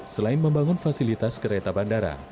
selain membangun fasilitas kereta bandara